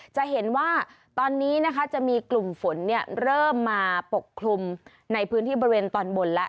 จะเห็นว่าตอนนี้นะคะจะมีกลุ่มฝนเริ่มมาปกคลุมในพื้นที่บริเวณตอนบนแล้ว